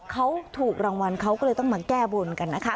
เขาถูกรางวัลเขาก็เลยต้องมาแก้บนกันนะคะ